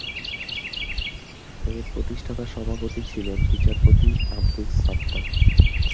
এর প্রতিষ্ঠাতা সভাপতি ছিলেন বিচারপতি আবদুস সাত্তার।